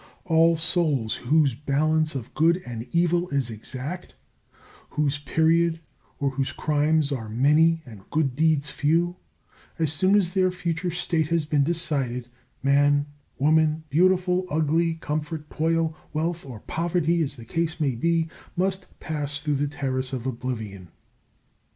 All souls whose balance of good and evil is exact, whose period, or whose crimes are many and good deeds few, as soon as their future state has been decided, man, woman, beautiful, ugly, comfort, toil, wealth, or poverty, as the case may be, must pass through the Terrace of Oblivion.